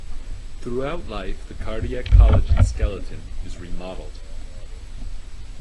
Throughout life, the cardiac collagen skeleton is remodeled.